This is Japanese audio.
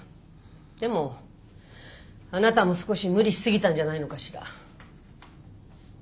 でもあなたも少し無理し過ぎたんじゃないのかしら。